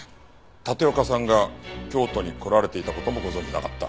立岡さんが京都に来られていた事もご存じなかった？